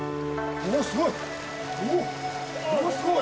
おすごい！